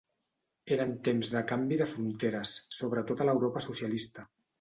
Eren temps de canvi de fronteres, sobretot a l'Europa socialista.